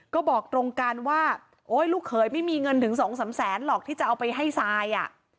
ก็บอกตรงกันว่าโอ๊ยลูกเขยไม่มีเงินถึงสองสามแสนหรอกที่จะเอาไปให้ทรายอ่ะ